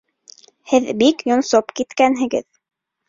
Һеҙ бик йонсоп киткәнһегеҙ